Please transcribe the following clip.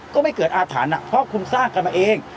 ก็ไม่เกิดอาถรรพ์เพราะคุณสร้างกันมาเอง